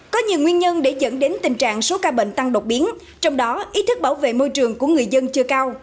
có nhiều nguyên nhân để dẫn đến tình trạng số ca bệnh tăng đột biến trong đó ý thức bảo vệ môi trường của người dân chưa cao